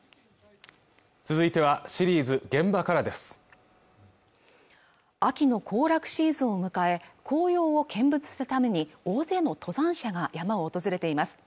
続いてはシリーズ「現場から」です秋の行楽シーズンを迎え紅葉を見物するために大勢の登山者が山を訪れています